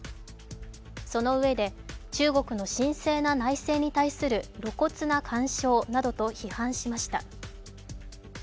そのうえで、中国の神聖な内政に対する露骨な干渉などと批判しました。